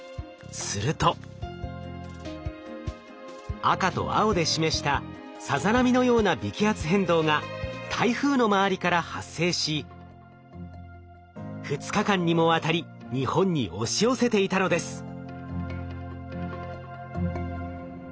すると赤と青で示したさざ波のような微気圧変動が台風の周りから発生し２日間にもわたり日本に押し寄せていたのです。